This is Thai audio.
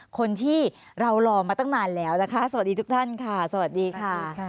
คนที่เรารอมาตั้งนานแล้วนะคะสวัสดีทุกท่านค่ะสวัสดีค่ะ